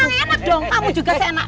emang enak dong kamu juga seenak